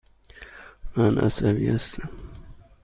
من عصبی هستم.